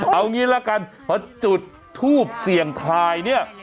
เอางี้ละกันพอจุดทูบเสี่ยงทายเนี่ย